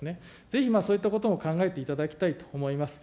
ぜひ、そういったことも考えていただきたいと思います。